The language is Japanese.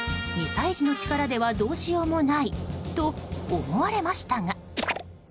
２歳児の力ではどうしようもないと思われましたが。